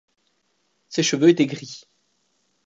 Ses cheveux étaient gris.